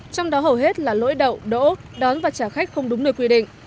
trong đó hầu hết là lỗi đậu đỗ đón và trả khách không đúng nơi quy định